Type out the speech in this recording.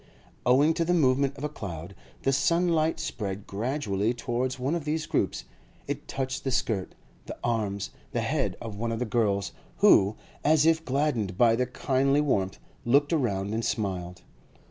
Owing to the movement of a cloud, the sunlight spread gradually towards one of these groups; it touched the skirt, the arms, the head of one of the girls, who, as if gladdened by the kindly warmth, looked round and smiled.